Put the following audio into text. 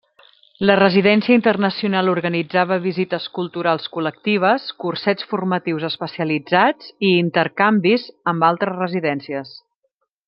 La Residència Internacional organitzava visites culturals col·lectives, cursets formatius especialitzats i intercanvis amb altres residències.